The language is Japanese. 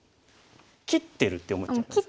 「切ってる」って思っちゃいます。